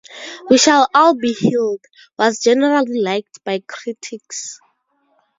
"We Shall All Be Healed" was generally liked by critics.